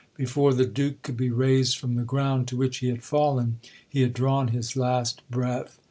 Before the Duke could be raised from the ground to which he had fallen, he had drawn his last breath.